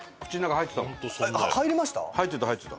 入りました？